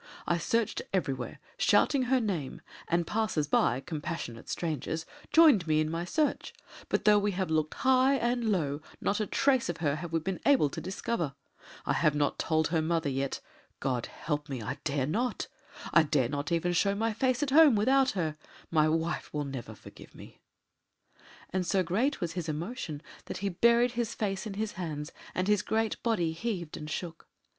I searched everywhere, shouting her name; and passers by, compassionate strangers, joined me in my search; but though we have looked high and low not a trace of her have we been able to discover. I have not told her mother yet. God help me I dare not! I dare not even show my face at home without her my wife will never forgive me "; and so great was his emotion that he buried his face in his hands, and his great body heaved and shook.